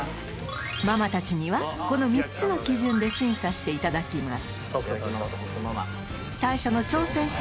ママ達にはこの３つの基準で審査していただきます